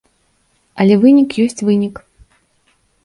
Але вынік ёсць вынік.